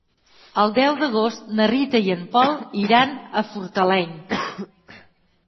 El deu d'agost na Rita i en Pol iran a Fortaleny.